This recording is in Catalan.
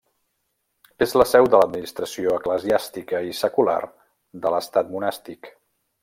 És la seu de l'administració eclesiàstica i secular de l'estat monàstic.